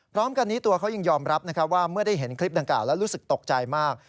พร้อมกันนี้ตัวเขายังยอมรับว่าเมื่อได้เห็นคลิปดังกล่าวแล้วรู้สึกตกใจมาก